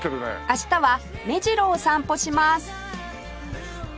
明日は目白を散歩します